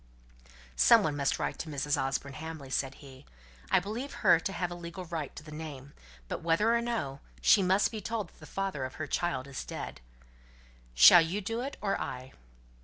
"Some one must write to Mrs. Osborne Hamley," said he. "I believe her to have a legal right to the name; but whether or no, she must be told that the father of her child is dead. Shall you do it, or I?"